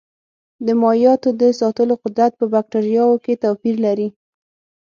د مایعاتو د ساتلو قدرت په بکټریاوو کې توپیر لري.